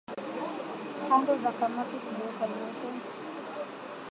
Tando za kamasi kugeuka nyeupe